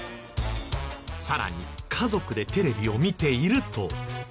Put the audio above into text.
さらに家族でテレビを見ていると。